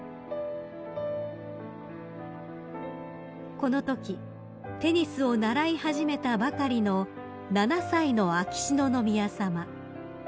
［このときテニスを習い始めたばかりの７歳の秋篠宮さま］